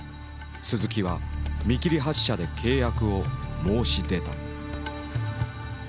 鈴木は見切り発車で契約を申し出た。